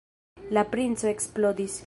La princo eksplodis.